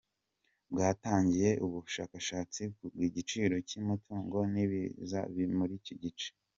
bwatangiye ubushakashatsi ku gaciro k’imitungo n’ibibanza biri muri iki gice.